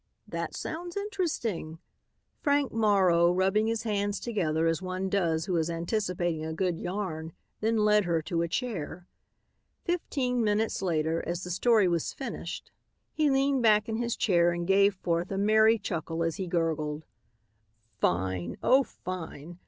"That sounds interesting." Frank Morrow, rubbing his hands together as one does who is anticipating a good yarn, then led her to a chair. Fifteen minutes later, as the story was finished, he leaned back in his chair and gave forth a merry chuckle as he gurgled, "Fine! Oh, fine!